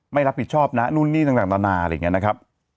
ไม่รับผิดชอบนะนู่นนี่ต่างนานาอะไรอย่างนี้นะครับ